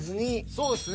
そうっすね。